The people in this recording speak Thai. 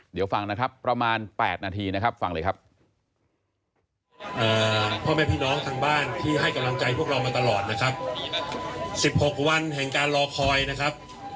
เดี๋ยวฟังนะครับประมาณ๘นาทีนะครับฟังเลยครับ